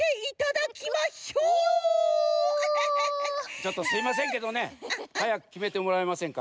ちょっとすいませんけどねはやくきめてもらえませんか？